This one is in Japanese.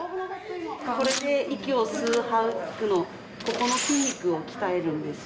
これで息を吸う吐くのここの筋肉を鍛えるんですよね。